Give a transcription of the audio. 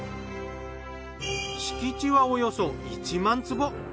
敷地はおよそ１万坪。